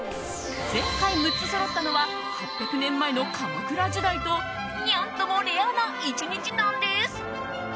前回６つそろったのは８００年前の鎌倉時代とニャンともレアな１日なんです。